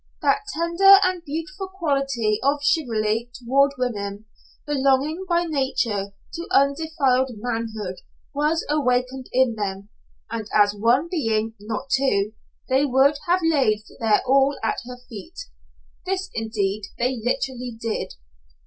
That tender and beautiful quality of chivalry toward women, belonging by nature to undefiled manhood, was awakened in them, and as one being, not two, they would have laid their all at her feet. This, indeed, they literally did.